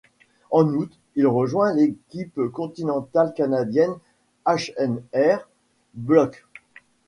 En août, il rejoint l'équipe continentale canadienne H&R Block.